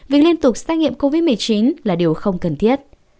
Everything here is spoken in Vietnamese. việc liên tục xét nghiệm covid một mươi chín là điều không cần thiết